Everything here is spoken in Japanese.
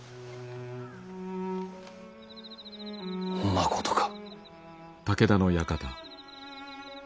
まことか。